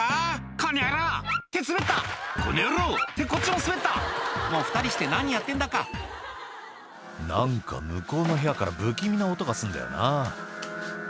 「この野郎！」って滑った「この野郎！」ってこっちも滑ったもう２人して何やってんだか「何か向こうの部屋から不気味な音がすんだよな」